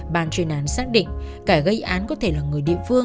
bà lập tức lao ra ngoài đi tìm